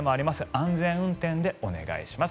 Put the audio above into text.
安全運転でお願いします。